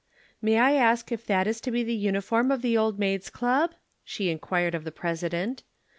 "May I ask if that is to be the uniform of the Old Maids' Club?" she inquired of the President.